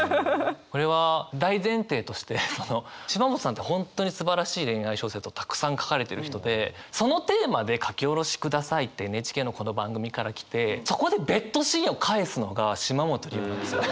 これは大前提としてその島本さんって本当にすばらしい恋愛小説をたくさん書かれてる人でそのテーマで書き下ろしくださいってＮＨＫのこの番組から来てそこでベッドシーンを返すのが島本理生なんですよね。